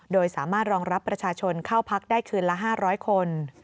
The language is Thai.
โดยสามารถรองรับประชาชนเข้าพักได้คืนละ๕๐๐คน